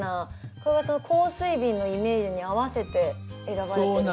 これは香水瓶のイメージに合わせて選ばれてるんですか？